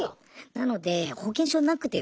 なので保険証なくても。